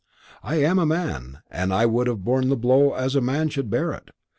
I am a man, and would have borne the blow as a man should bear it.